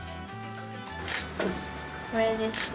これですね。